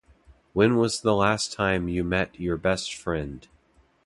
When was the last time you met your best friend?